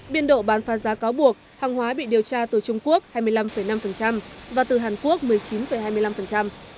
biên độ bán phá giá cáo buộc hàng hóa bị điều tra từ trung quốc hai mươi năm năm và từ hàn quốc một mươi chín hai mươi năm